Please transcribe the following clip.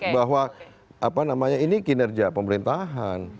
bahwa ini kinerja pemerintahan